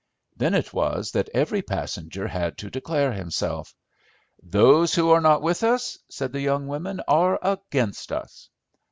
Then it was that every passenger had to declare himself. "Those who are not with us," said the young women, "are against us."